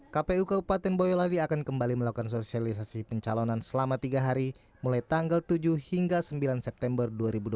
kpu kabupaten boyolali akan kembali melakukan sosialisasi pencalonan selama tiga hari mulai tanggal tujuh hingga sembilan september dua ribu dua puluh